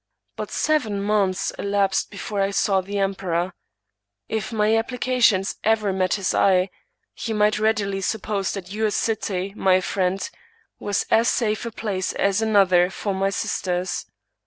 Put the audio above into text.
But seven months elapsed before I saw the em peror. If my applications ever met his eye he might readily suppose that your city, my friend, was as safe a place as another for my sisters.